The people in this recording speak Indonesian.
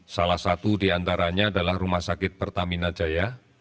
salah satu di antaranya adalah rumah sakit pertamina jaya